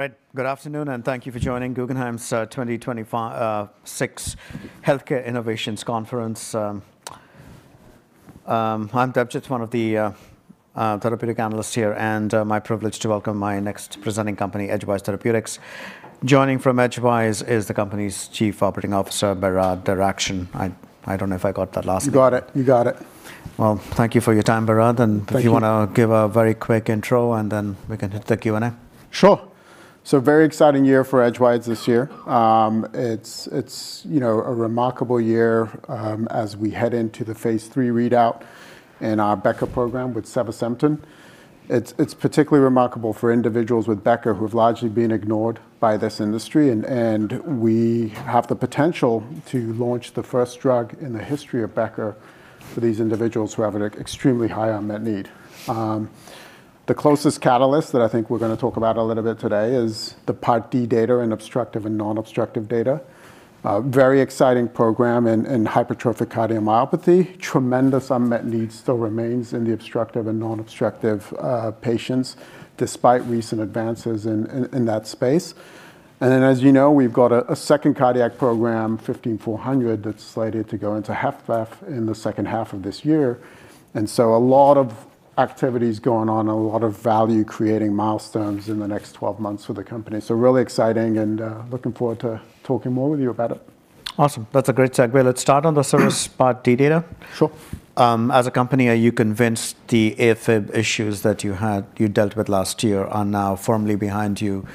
All right, good afternoon, and thank you for joining Guggenheim's 2026 healthcare innovations conference. I'm Debjit, one of the therapeutic analysts here, and my privilege to welcome my next presenting company, Edgewise Therapeutics. Joining from Edgewise is the company's Chief Operating Officer, Behrad Derakhshan. I don't know if I got that last name. You got it. You got it. Well, thank you for your time, Behrad- Thank you. - and if you want to give a very quick intro, and then we can hit the Q&A. Sure. So very exciting year for Edgewise this year. It's, it's, you know, a remarkable year, as we head into the phase III readout in our Becker program with sevasemten. It's particularly remarkable for individuals with Becker who have largely been ignored by this industry, and we have the potential to launch the first drug in the history of Becker for these individuals who have an extremely high unmet need. The closest catalyst that I think we're gonna talk about a little bit today is the part D data and obstructive and non-obstructive data. Very exciting program in hypertrophic cardiomyopathy. Tremendous unmet need still remains in the obstructive and non-obstructive patients, despite recent advances in that space. And then, as you know, we've got a second cardiac program, EDG-15400, that's slated to go into phase I in the second half of this year. And so a lot of activities going on, a lot of value-creating milestones in the next 12 months for the company. So really exciting, and looking forward to talking more with you about it. Awesome. That's a great segue. Let's start on the CIRRUS Part D data. Sure. As a company, are you convinced the AFib issues that you had, you dealt with last year are now firmly behind you?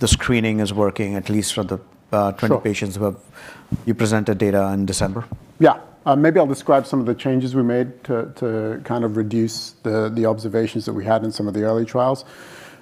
The screening is working, at least for the, Sure... 20 patients who have you presented data in December. Yeah. Maybe I'll describe some of the changes we made to kind of reduce the observations that we had in some of the early trials.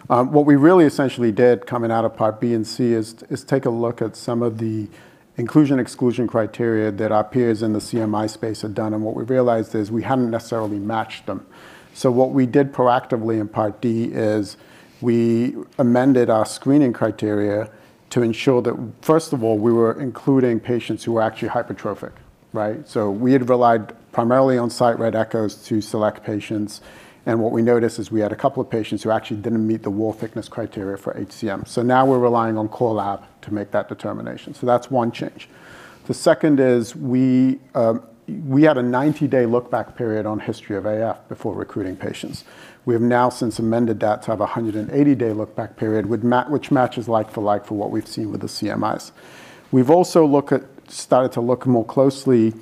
What we really essentially did coming out of Part B and C is take a look at some of the inclusion, exclusion criteria that our peers in the CMI space had done, and what we realized is we hadn't necessarily matched them. So what we did proactively in Part D is we amended our screening criteria to ensure that, first of all, we were including patients who were actually hypertrophic, right? So we had relied primarily on site-read echoes to select patients, and what we noticed is we had a couple of patients who actually didn't meet the wall thickness criteria for HCM. So now we're relying on core lab to make that determination. So that's one change. The second is, we had a 90-day look-back period on history of AF before recruiting patients. We have now since amended that to have a 180-day look-back period, with which matches like for like for what we've seen with the CMIs. We've also looked at, started to look more closely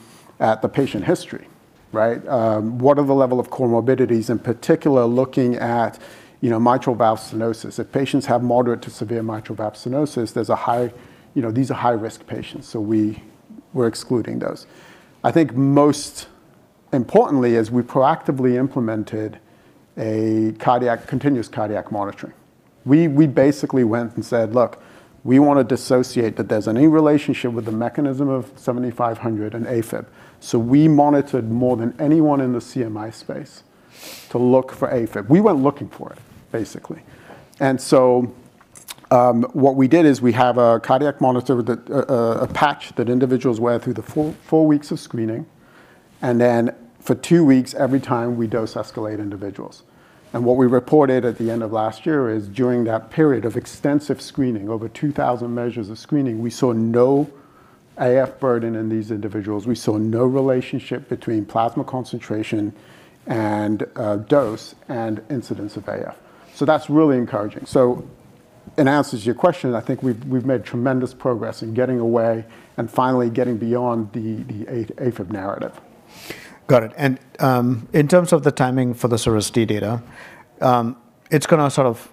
at the patient history, right? What are the level of comorbidities, in particular, looking at, you know, mitral valve stenosis. If patients have moderate to severe mitral valve stenosis, there's a high... You know, these are high-risk patients, so we're excluding those. I think most importantly is we proactively implemented a cardiac, continuous cardiac monitoring. We basically went and said: Look, we want to dissociate that there's any relationship with the mechanism of 7500 and AFib. So we monitored more than anyone in the CMI space to look for AFib. We went looking for it, basically. So, what we did is we have a cardiac monitor with a patch that individuals wear through the four weeks of screening, and then for two weeks, every time we dose escalate individuals. And what we reported at the end of last year is, during that period of extensive screening, over 2,000 measures of screening, we saw no AFib burden in these individuals. We saw no relationship between plasma concentration and dose and incidence of AFib. So that's really encouraging. So, in answer to your question, I think we've made tremendous progress in getting away and finally getting beyond the AFib narrative. Got it. And, in terms of the timing for the CIRRUS D data, it's gonna sort of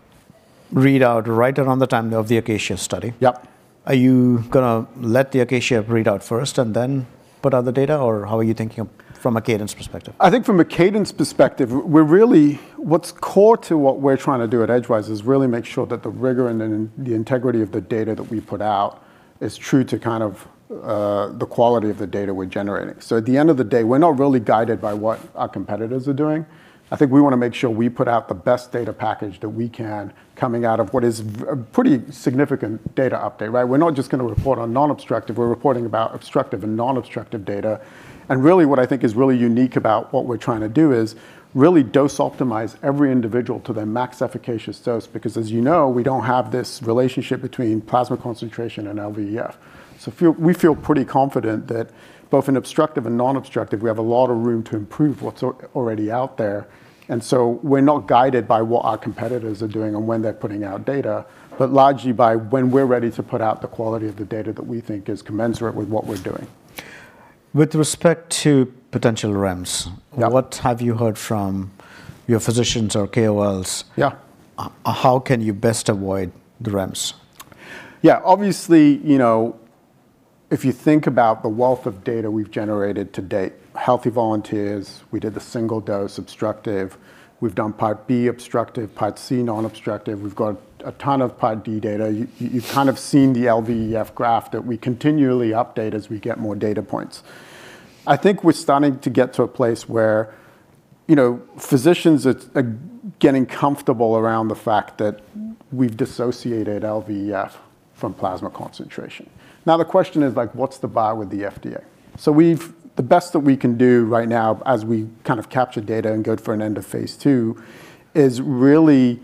read out right around the time of the Acacia study. Yep. Are you gonna let the Acacia read out first and then put out the data, or how are you thinking from a cadence perspective? I think from a cadence perspective, we're really... What's core to what we're trying to do at Edgewise is really make sure that the rigor and then the integrity of the data that we put out is true to kind of, the quality of the data we're generating. So at the end of the day, we're not really guided by what our competitors are doing. I think we want to make sure we put out the best data package that we can, coming out of what is a pretty significant data update, right? We're not just gonna report on non-obstructive, we're reporting about obstructive and non-obstructive data. And really, what I think is really unique about what we're trying to do is really dose optimize every individual to their max efficacious dose, because, as you know, we don't have this relationship between plasma concentration and LVEF. So, we feel pretty confident that both in obstructive and non-obstructive, we have a lot of room to improve what's already out there. And so we're not guided by what our competitors are doing and when they're putting out data, but largely by when we're ready to put out the quality of the data that we think is commensurate with what we're doing. With respect to potential REMS- Yeah... What have you heard from your physicians or KOLs? Yeah. How can you best avoid the REMS? Yeah, obviously, you know, if you think about the wealth of data we've generated to date, healthy volunteers, we did the single dose obstructive, we've done Part B, obstructive, Part C, non-obstructive, we've got a ton of Part D data. You've kind of seen the LVEF graph that we continually update as we get more data points. I think we're starting to get to a place where, you know, physicians are getting comfortable around the fact that we've dissociated LVEF from plasma concentration. Now the question is like, what's the bar with the FDA? So, the best that we can do right now as we kind of capture data and go for an end of phase II, is really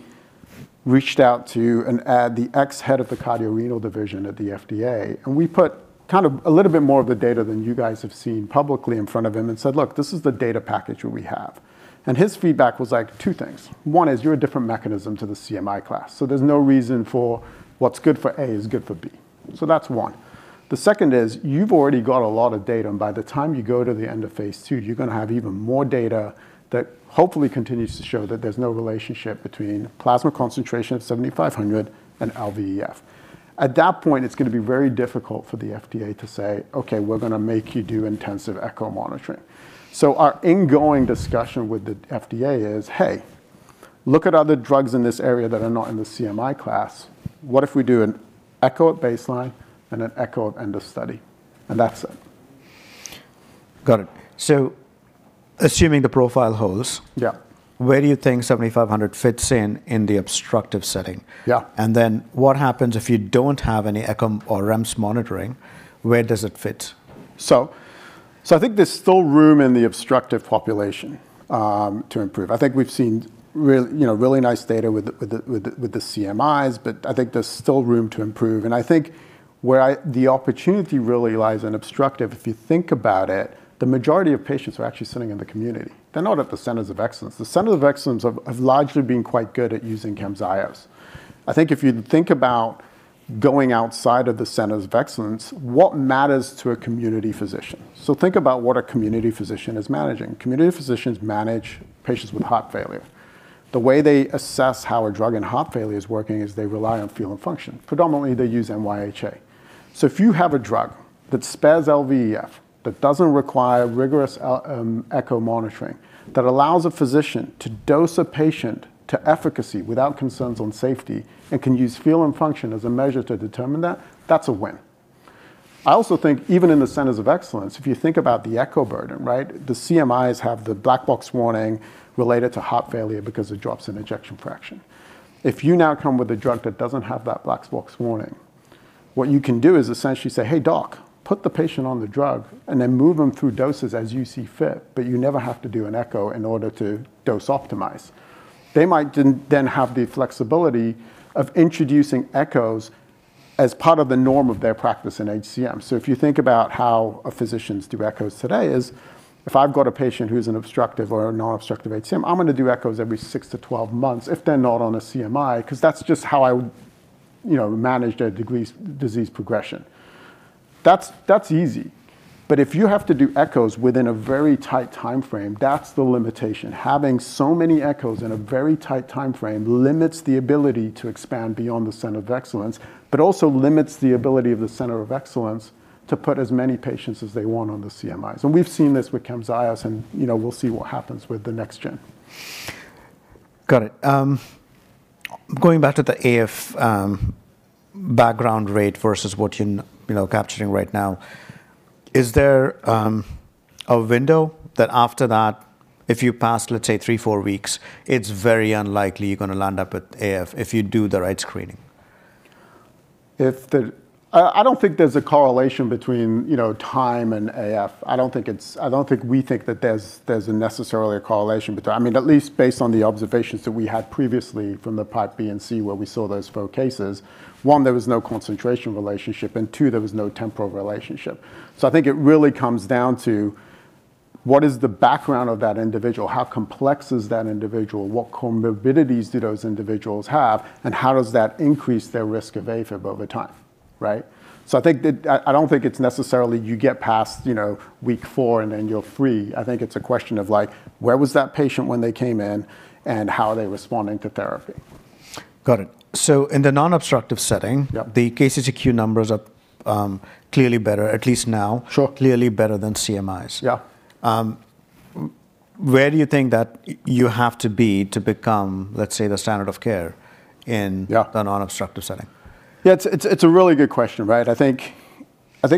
reached out to and had the ex-head of the cardiorenal division at the FDA, and we put kind of a little bit more of the data than you guys have seen publicly in front of him and said, "Look, this is the data package that we have." And his feedback was like, two things: One is you're a different mechanism to the CMI class, so there's no reason for what's good for A is good for B. So that's one. The second is, you've already got a lot of data, and by the time you go to the end of phase II, you're gonna have even more data that hopefully continues to show that there's no relationship between plasma concentration of 7500 and LVEF. At that point, it's gonna be very difficult for the FDA to say, "Okay, we're gonna make you do intensive echo monitoring." So our ingoing discussion with the FDA is, "Hey, look at other drugs in this area that are not in the CMI class. What if we do an echo at baseline and an echo at end of study, and that's it? Got it. So assuming the profile holds- Yeah. Where do you think 7500 fits in in the obstructive setting? Yeah. And then what happens if you don't have any echo or REMS monitoring, where does it fit? So I think there's still room in the obstructive population to improve. I think we've seen real, you know, really nice data with the CMIs, but I think there's still room to improve, and I think where the opportunity really lies in obstructive, if you think about it, the majority of patients are actually sitting in the community. They're not at the centers of excellence. The center of excellence have largely been quite good at using Camzyos. I think if you think about going outside of the centers of excellence, what matters to a community physician? So think about what a community physician is managing. Community physicians manage patients with heart failure. The way they assess how a drug in heart failure is working is they rely on feel and function. Predominantly, they use NYHA. So if you have a drug that spares LVEF, that doesn't require rigorous outpatient echo monitoring, that allows a physician to dose a patient to efficacy without concerns on safety, and can use feel and function as a measure to determine that, that's a win. I also think even in the centers of excellence, if you think about the echo burden, right, the CMIs have the black box warning related to heart failure because it drops in ejection fraction. If you now come with a drug that doesn't have that black box warning, what you can do is essentially say, "Hey, doc, put the patient on the drug and then move them through doses as you see fit, but you never have to do an echo in order to dose optimize." They might then have the flexibility of introducing echoes as part of the norm of their practice in HCM. So if you think about how physicians do echoes today is, if I've got a patient who's an obstructive or a non-obstructive HCM, I'm gonna do echoes every six to 12 months if they're not on a CMI, 'cause that's just how I would, you know, manage their degree of disease progression. That's easy. But if you have to do echoes within a very tight timeframe, that's the limitation. Having so many echoes in a very tight timeframe limits the ability to expand beyond the center of excellence, but also limits the ability of the center of excellence to put as many patients as they want on the CMIs. And we've seen this with Camzyos, and, you know, we'll see what happens with the next gen. Got it. Going back to the AF, background rate versus what you're, you know, capturing right now, is there a window that after that, if you pass, let's say, three to four weeks, it's very unlikely you're gonna land up at AF if you do the right screening? I don't think there's a correlation between, you know, time and AF. I don't think we think that there's necessarily a correlation between... I mean, at least based on the observations that we had previously from the part B and C, where we saw those four cases, one, there was no concentration relationship, and two, there was no temporal relationship. So I think it really comes down to what is the background of that individual? How complex is that individual? What comorbidities do those individuals have, and how does that increase their risk of AFib over time, right? So I think that, I don't think it's necessarily you get past, you know, week four, and then you're free. I think it's a question of like, where was that patient when they came in, and how are they responding to therapy? Got it. So in the non-obstructive setting- Yeah. -the KCCQ numbers are clearly better, at least now- Sure. Clearly better than CMIs. Yeah. Where do you think that you have to be to become, let's say, the standard of care in- Yeah... the non-obstructive setting? Yeah, it's a really good question, right? I think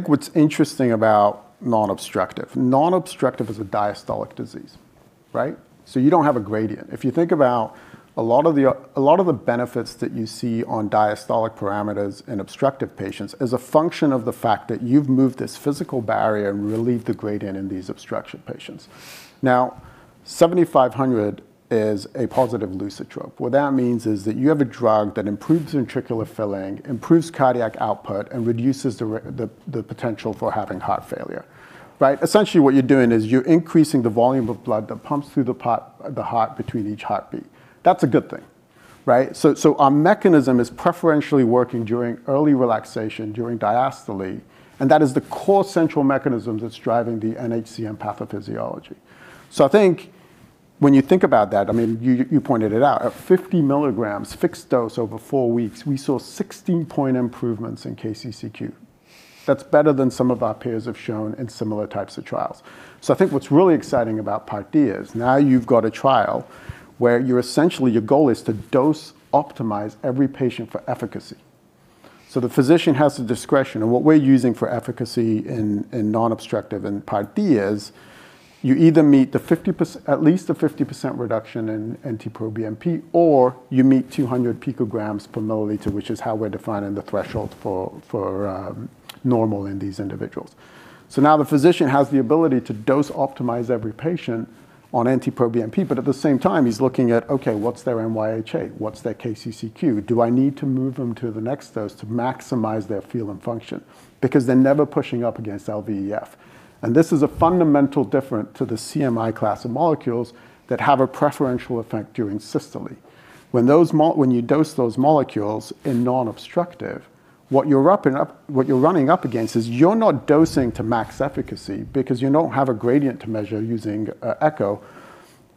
what's interesting about non-obstructive is a diastolic disease, right? So you don't have a gradient. If you think about a lot of the benefits that you see on diastolic parameters in obstructive patients is a function of the fact that you've moved this physical barrier and relieved the gradient in these obstruction patients. Now, 7500 is a positive lusitrope. What that means is that you have a drug that improves ventricular filling, improves cardiac output, and reduces the potential for having heart failure, right? Essentially, what you're doing is you're increasing the volume of blood that pumps through the heart between each heartbeat. That's a good thing, right? So, so our mechanism is preferentially working during early relaxation, during diastole, and that is the core central mechanism that's driving the HCM pathophysiology. So I think when you think about that, I mean, you pointed it out, at 50 mg fixed dose over four weeks, we saw 16-point improvements in KCCQ. That's better than some of our peers have shown in similar types of trials. So I think what's really exciting about Part D is now you've got a trial where you're essentially, your goal is to dose optimize every patient for efficacy. So the physician has the discretion, and what we're using for efficacy in non-obstructive and Part D is-... You either meet the 50%, at least the 50% reduction in NT-proBNP, or you meet 200 picograms per milliliter, which is how we're defining the threshold for normal in these individuals. So now the physician has the ability to dose optimize every patient on NT-proBNP, but at the same time, he's looking at, "Okay, what's their NYHA? What's their KCCQ? Do I need to move them to the next dose to maximize their feel and function?" Because they're never pushing up against LVEF. And this is a fundamental difference to the CMI class of molecules that have a preferential effect during systole. When you dose those molecules in non-obstructive, what you're running up against is you're not dosing to max efficacy because you don't have a gradient to measure using echo.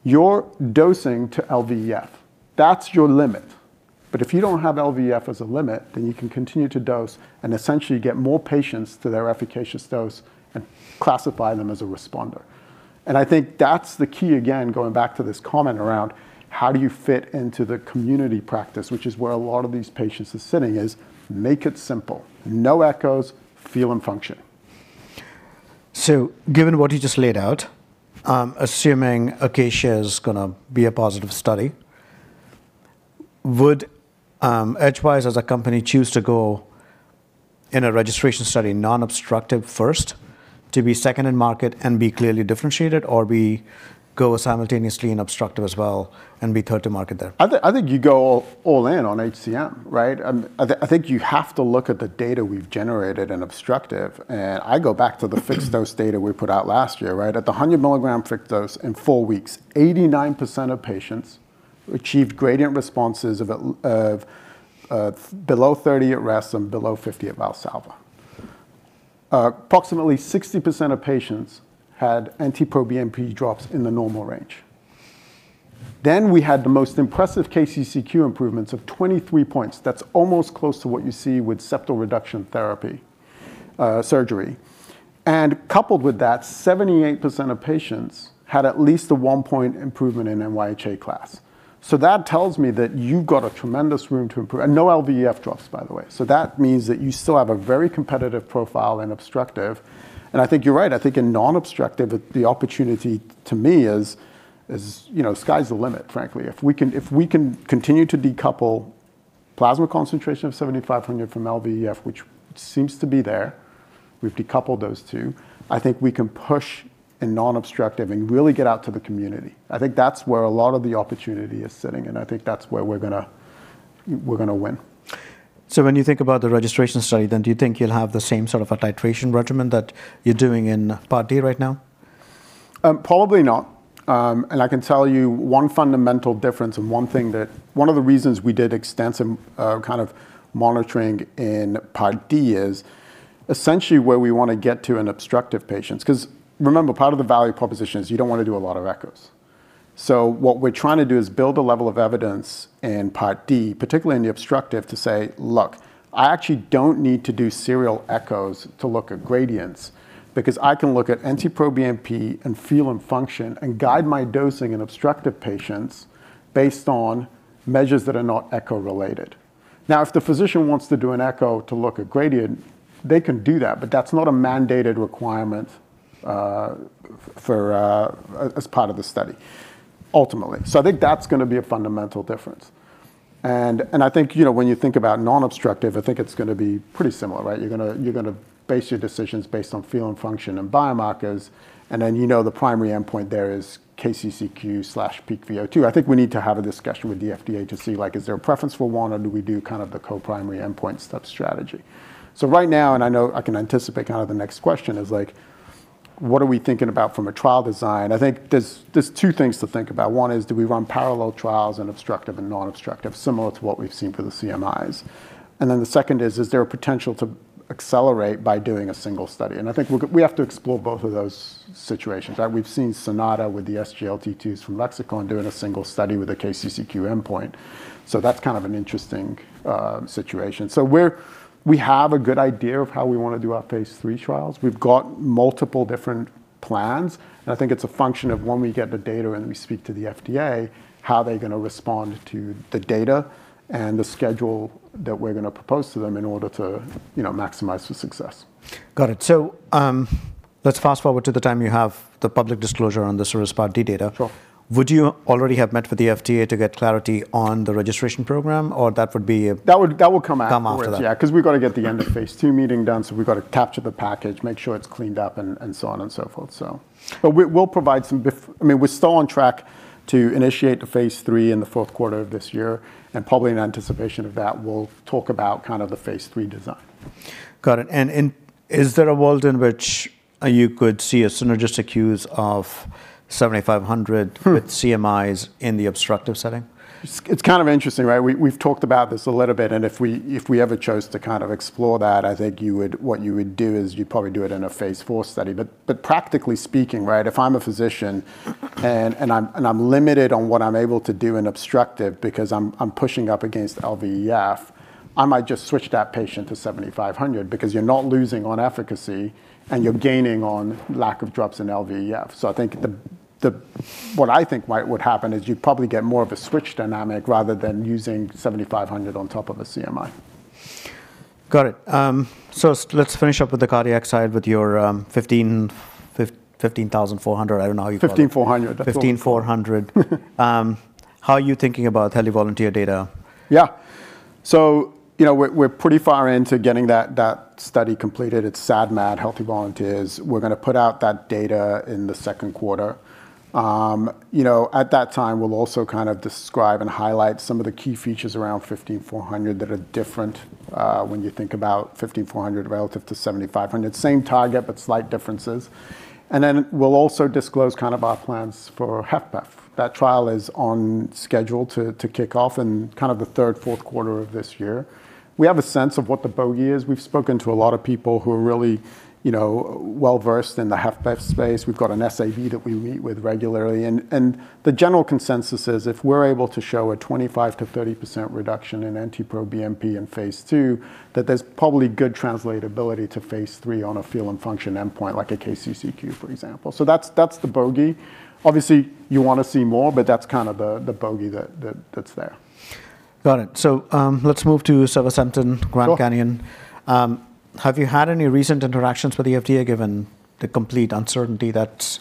You're dosing to LVEF. That's your limit. But if you don't have LVEF as a limit, then you can continue to dose and essentially get more patients to their efficacious dose and classify them as a responder. I think that's the key, again, going back to this comment around how do you fit into the community practice, which is where a lot of these patients are sitting, is make it simple. No echoes, feel and function. So given what you just laid out, assuming Acacia is going to be a positive study, would Edgewise as a company choose to go in a registration study non-obstructive first to be second in market and be clearly differentiated, or we go simultaneously in obstructive as well and be third to market there? I think you go all in on HCM, right? I think you have to look at the data we've generated in obstructive. I go back to the fixed-dose data we put out last year, right? At the 100 milligram fixed dose in four weeks, 89% of patients achieved gradient responses of below 30 at rest and below 50 at Valsalva. Approximately 60% of patients had NT-proBNP drops in the normal range. We had the most impressive KCCQ improvements of 23 points. That's almost close to what you see with septal reduction therapy surgery. Coupled with that, 78% of patients had at least a one-point improvement in NYHA class. That tells me that you've got a tremendous room to improve, and no LVEF drops, by the way. So that means that you still have a very competitive profile in obstructive, and I think you're right. I think in non-obstructive, the opportunity to me is, you know, sky's the limit, frankly. If we can continue to decouple plasma concentration of 7500 from LVEF, which seems to be there, we've decoupled those two, I think we can push in non-obstructive and really get out to the community. I think that's where a lot of the opportunity is sitting, and I think that's where we're going to win. When you think about the registration study, then do you think you'll have the same sort of a titration regimen that you're doing in Part D right now? Probably not. And I can tell you one fundamental difference and one of the reasons we did extensive kind of monitoring in Part D is essentially where we want to get to in obstructive patients. 'Cause remember, part of the value proposition is you don't want to do a lot of echoes. So what we're trying to do is build a level of evidence in Part D, particularly in the obstructive, to say: Look, I actually don't need to do serial echoes to look at gradients, because I can look at NT-proBNP and feel and function and guide my dosing in obstructive patients based on measures that are not echo-related. Now, if the physician wants to do an echo to look at gradient, they can do that, but that's not a mandated requirement for as part of the study, ultimately. So I think that's going to be a fundamental difference. And I think, you know, when you think about non-obstructive, I think it's going to be pretty similar, right? You're going to base your decisions based on feel and function and biomarkers. And then, you know, the primary endpoint there is KCCQ/peak VO2. I think we need to have a discussion with the FDA to see, like, is there a preference for one, or do we do kind of the co-primary endpoint step strategy? So right now, I know I can anticipate kind of the next question is like, what are we thinking about from a trial design? I think there's two things to think about. One is, do we run parallel trials in obstructive and non-obstructive, similar to what we've seen for the CMIs? And then the second is, is there a potential to accelerate by doing a single study? And I think we have to explore both of those situations, right? We've seen Sonata with the SGLT2s from Lexicon and doing a single study with a KCCQ endpoint. So that's kind of an interesting situation. So we have a good idea of how we want to do our phase III trials. We've got multiple different plans, and I think it's a function of when we get the data and we speak to the FDA, how are they going to respond to the data and the schedule that we're going to propose to them in order to, you know, maximize the success. Got it. So, let's fast-forward to the time you have the public disclosure on the CIRRUS Part D data. Sure. Would you already have met with the FDA to get clarity on the registration program, or that would be a- That would come after. Come after that. Yeah, 'cause we've got to get the end of phase II meeting done, so we've got to capture the package, make sure it's cleaned up, and, and so on and so forth. So... But we, we'll provide some—I mean, we're still on track to initiate the phase III in the fourth quarter of this year, and probably in anticipation of that, we'll talk about kind of the phase III design. Got it. And is there a world in which you could see a synergistic use of 7500- Mm... with CMIs in the obstructive setting? It's kind of interesting, right? We've talked about this a little bit, and if we ever chose to kind of explore that, I think you would—what you would do is you'd probably do it in a phase IV study. But practically speaking, right, if I'm a physician and I'm limited on what I'm able to do in obstructive because I'm pushing up against LVEF, I might just switch that patient to 7500 because you're not losing on efficacy and you're gaining on lack of drops in LVEF. So I think the—what I think might happen is you'd probably get more of a switch dynamic rather than using 7500 on top of a CMI.... Got it. So let's finish up with the cardiac side, with your 15400, I don't know how you- 15400 EDG-15400. How are you thinking about healthy volunteer data? Yeah. So, you know, we're pretty far into getting that study completed. It's SAD MAD healthy volunteers. We're gonna put out that data in the second quarter. You know, at that time, we'll also kind of describe and highlight some of the key features around EDG-15400 that are different when you think about EDG-15400 relative to EDG-7500. Same target, but slight differences. And then we'll also disclose kind of our plans for HFpEF. That trial is on schedule to kick off in kind of the third, fourth quarter of this year. We have a sense of what the bogey is. We've spoken to a lot of people who are really, you know, well-versed in the HFpEF space. We've got an SAB that we meet with regularly, and the general consensus is, if we're able to show a 25%-30% reduction in NT-proBNP in phase II, that there's probably good translatability to phase III feel and function endpoint, like a KCCQ, for example. So that's the bogey. Obviously, you wanna see more, but that's kind of the bogey that's there. Got it. So, let's move to sevasemten, GRAND CANYON. Sure. Have you had any recent interactions with the FDA, given the complete uncertainty that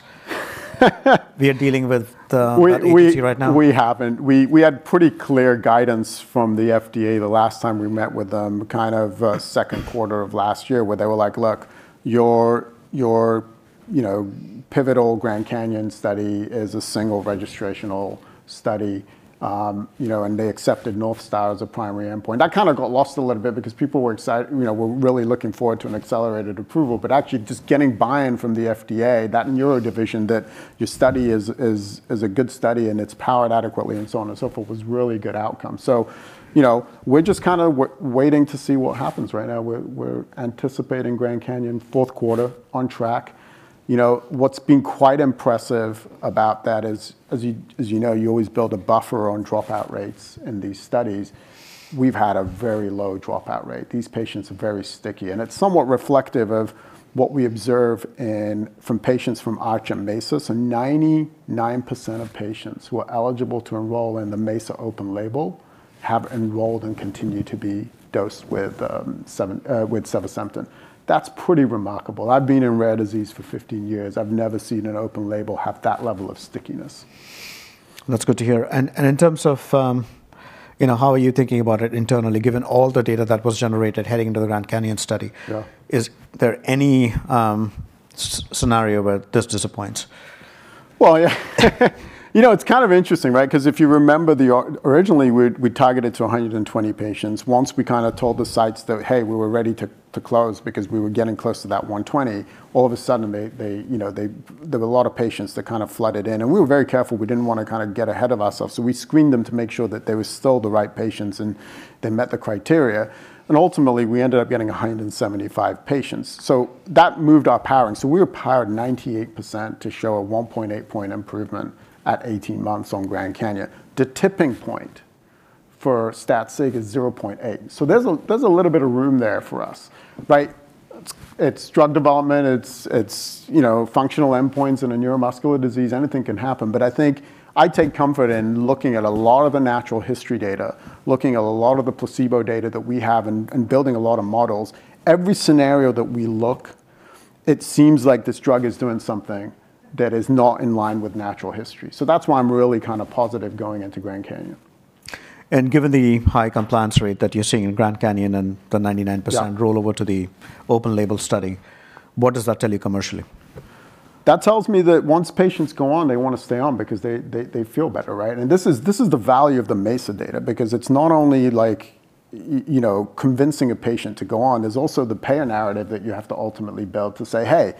we are dealing with the agency right now? We haven't. We had pretty clear guidance from the FDA the last time we met with them, kind of, second quarter of last year, where they were like: "Look, you know, pivotal Grand Canyon study is a single registrational study," you know, and they accepted North Star as a primary endpoint. That kind of got lost a little bit because people you know, were really looking forward to an accelerated approval. But actually, just getting buy-in from the FDA, that in neuro division, that your study is a good study and it's powered adequately, and so on and so forth, was a really good outcome. So, you know, we're just kind of waiting to see what happens right now. We're anticipating Grand Canyon fourth quarter on track. You know, what's been quite impressive about that is, as you, as you know, you always build a buffer on dropout rates in these studies. We've had a very low dropout rate. These patients are very sticky, and it's somewhat reflective of what we observe in, from patients from our ARCH. So 99% of patients who are eligible to enroll in the MESA open label have enrolled and continue to be dosed with sevasemten. That's pretty remarkable. I've been in rare disease for 15 years. I've never seen an open label have that level of stickiness. That's good to hear. In terms of, you know, how are you thinking about it internally, given all the data that was generated heading into the Grand Canyon study? Yeah. Is there any scenario where this disappoints? Well, yeah. You know, it's kind of interesting, right? 'Cause if you remember... Originally, we targeted 120 patients. Once we kinda told the sites that, "Hey, we were ready to close," because we were getting close to that 120, all of a sudden, you know, there were a lot of patients that kind of flooded in. And we were very careful, we didn't wanna kind of get ahead of ourselves, so we screened them to make sure that they were still the right patients and they met the criteria. And ultimately, we ended up getting 175 patients. So that moved our powering. So we were powered 98% to show a 1.8-point improvement at 18 months on GRAND CANYON. The tipping point for stat sig is 0.8. So there's a little bit of room there for us, right? It's drug development, you know, functional endpoints in a neuromuscular disease. Anything can happen. But I think I take comfort in looking at a lot of the natural history data, looking at a lot of the placebo data that we have, and building a lot of models. Every scenario that we look, it seems like this drug is doing something that is not in line with natural history. So that's why I'm really kind of positive going into Grand Canyon. Given the high compliance rate that you're seeing in Grand Canyon and the 99%- Yeah ...roll over to the open label study, what does that tell you commercially? That tells me that once patients go on, they wanna stay on because they feel better, right? And this is the value of the MESA data, because it's not only like, you know, convincing a patient to go on, there's also the payer narrative that you have to ultimately build to say, "Hey,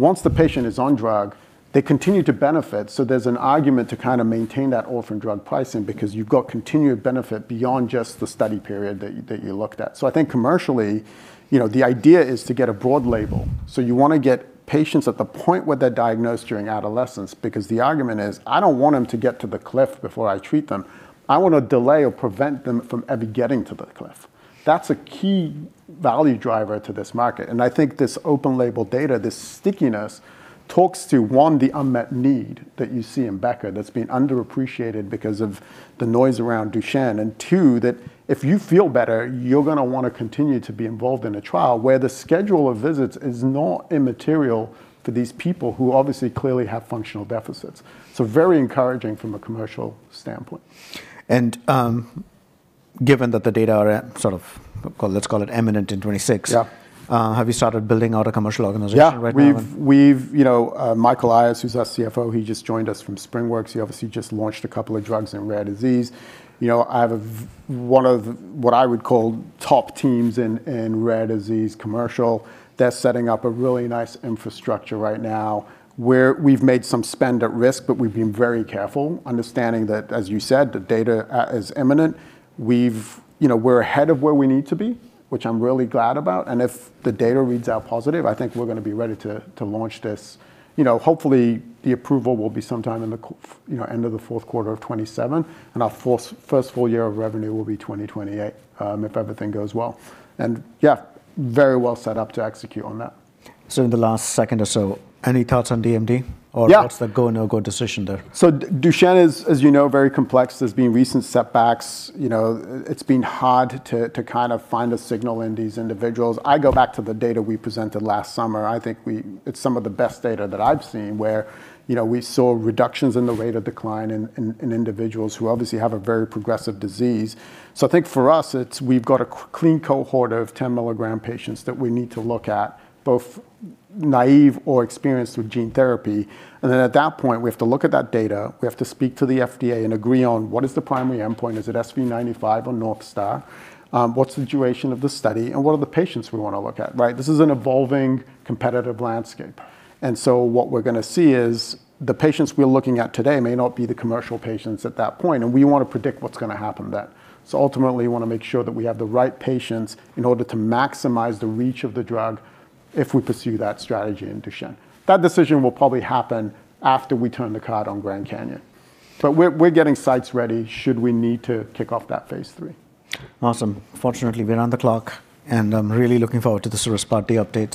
once the patient is on drug, they continue to benefit." So there's an argument to kind of maintain that orphan drug pricing because you've got continued benefit beyond just the study period that you looked at. So I think commercially, you know, the idea is to get a broad label. So you wanna get patients at the point where they're diagnosed during adolescence, because the argument is, I don't want them to get to the cliff before I treat them. I wanna delay or prevent them from ever getting to the cliff. That's a key value driver to this market, and I think this open label data, this stickiness, talks to, one, the unmet need that you see in Becker that's been underappreciated because of the noise around Duchenne, and two, that if you feel better, you're gonna wanna continue to be involved in a trial where the schedule of visits is not immaterial to these people who obviously, clearly have functional deficits. So very encouraging from a commercial standpoint. Given that the data are sort of, let's call it, imminent in 2026. Yeah... have you started building out a commercial organization right now? Yeah, we've you know, R. Michael Carruthers, who's our CFO, he just joined us from SpringWorks. He obviously just launched a couple of drugs in rare disease. You know, I have one of what I would call top teams in rare disease commercial. They're setting up a really nice infrastructure right now, where we've made some spend at risk, but we've been very careful, understanding that, as you said, the data is imminent. You know, we're ahead of where we need to be, which I'm really glad about, and if the data reads out positive, I think we're gonna be ready to launch this. You know, hopefully, the approval will be sometime in the, you know, end of the fourth quarter of 2027, and our first full year of revenue will be 2028, if everything goes well. Yeah, very well set up to execute on that. In the last second or so, any thoughts on DMD? Yeah. What's the go, no-go decision there? So Duchenne is, as you know, very complex. There's been recent setbacks. You know, it's been hard to, to kind of find a signal in these individuals. I go back to the data we presented last summer. I think it's some of the best data that I've seen, where, you know, we saw reductions in the rate of decline in, in, in individuals who obviously have a very progressive disease. So I think for us, it's... We've got a clean cohort of 10 mg patients that we need to look at, both naive or experienced with gene therapy, and then at that point, we have to look at that data, we have to speak to the FDA and agree on what is the primary endpoint? Is it SV95 or North Star? What's the duration of the study, and what are the patients we wanna look at, right? This is an evolving competitive landscape, and so what we're gonna see is, the patients we're looking at today may not be the commercial patients at that point, and we wanna predict what's gonna happen then. So ultimately, we wanna make sure that we have the right patients in order to maximize the reach of the drug if we pursue that strategy in Duchenne. That decision will probably happen after we turn the card on Grand Canyon. But we're getting sites ready should we need to kick off that phase III. Awesome. Fortunately, we're on the clock, and I'm really looking forward to the CIRRUS Part D update-